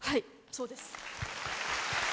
そうです。